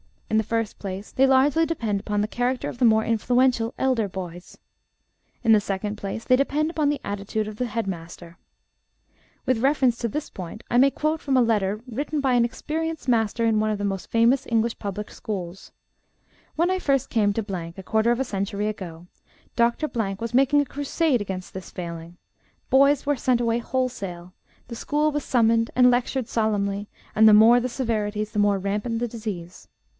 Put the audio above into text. In the first place, they largely depend upon the character of the more influential elder boys. In the second place, they depend upon the attitude of the head master. With reference to this point I may quote from a letter written by an experienced master in one of the most famous English public schools: "When I first came to , a quarter of a century ago, Dr. was making a crusade against this failing; boys were sent away wholesale; the school was summoned and lectured solemnly; and the more the severities, the more rampant the disease.